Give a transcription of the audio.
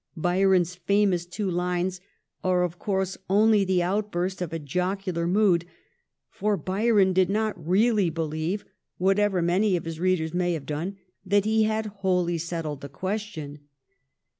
Byron's famous two lines are of course only the outburst of a jocular mood, for Byron did not really believe, whatever many of his readers may have done, that he had wholly settled the question.